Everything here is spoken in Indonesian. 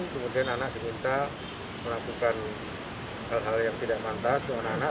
kemudian anak diminta melakukan hal hal yang tidak mantas untuk anak anak